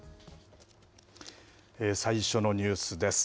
最初のニュースです。